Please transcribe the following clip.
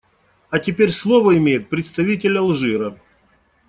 А теперь слово имеет представитель Алжира.